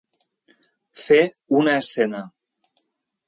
Fer una escena.